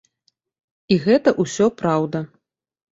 І гэта ўсё праўда.